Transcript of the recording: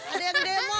ada yang demo